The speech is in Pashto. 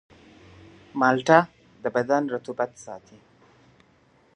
مالټه د بدن رطوبت ساتي.